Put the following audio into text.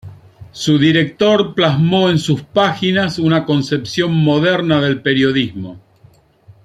Su director plasmó en sus páginas una concepción moderna del periodismo.